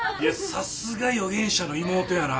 さすが予言者の妹やな。